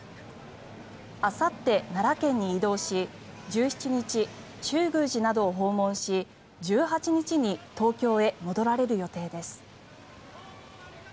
あさって奈良県に移動し１７日、中宮寺などを訪問し１８日に東京へ戻られる予定です。